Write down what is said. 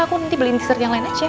aku nanti beliin dessert yang lain aja